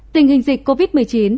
tình hình dịch covid một mươi chín